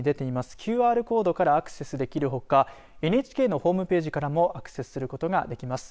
ＱＲコードからアクセスできるほかＮＨＫのホームページからもアクセスすることができます。